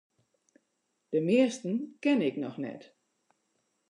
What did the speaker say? De measten ken ik noch net.